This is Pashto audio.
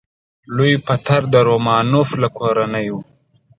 لوی پطر د رومانوف له کورنۍ و.